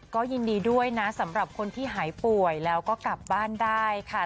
ก็ยินดีด้วยนะสำหรับคนที่หายป่วยแล้วก็กลับบ้านได้ค่ะ